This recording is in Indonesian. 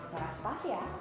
norah sepas ya